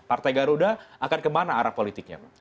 partai garuda akan ke mana arah politiknya pak